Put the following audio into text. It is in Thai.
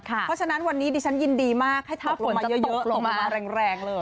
เพราะฉะนั้นวันนี้ดิฉันยินดีมากให้ทับลงมาเยอะลงมาแรงเลย